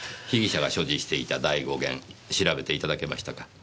被疑者が所持していた第５弦調べていただけましたか？